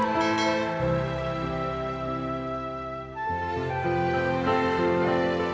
aku sudah mampu